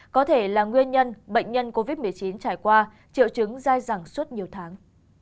có thể là nguyên nhân bệnh nhân covid một mươi chín trải qua triệu chứng dai dẳng suốt nhiều tháng